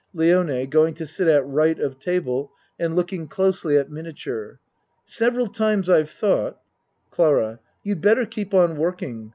LIONE (Going to sit at R. of table and looking closely at miniature.) Several times I've thought CLARA You'd better keep on working.